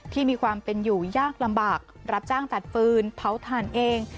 ที่มีความเป็นอยู่ยากลำบากรับจ้างตัดฟืนเผาถ่านเอง